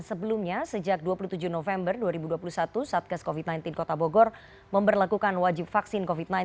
sebelumnya sejak dua puluh tujuh november dua ribu dua puluh satu satgas covid sembilan belas kota bogor memperlakukan wajib vaksin covid sembilan belas